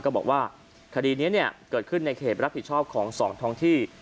ก็บอกว่าคดีนี้เกิดขึ้นในเขตรับผิดชอบของ๒ท้องที่